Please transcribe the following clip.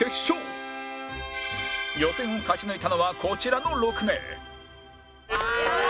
予選を勝ち抜いたのはこちらの６名